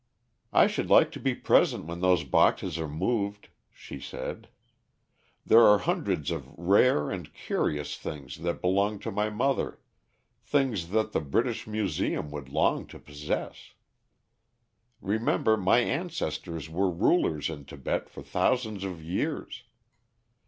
"I should like to be present when those boxes are moved," she said. "There are hundreds of rare and curious things that belonged to my mother things that the British Museum would long to possess. Remember, my ancestors were rulers in Tibet for thousands of years.